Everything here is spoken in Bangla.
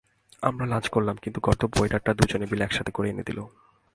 আমরা লাঞ্চ করলাম, কিন্তু গর্দভ ওয়েটার টা দুজনের বিল একসাথে করে এনে দিল।